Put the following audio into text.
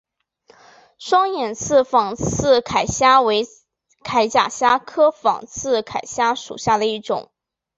双眼刺仿刺铠虾为铠甲虾科仿刺铠虾属下的一个种。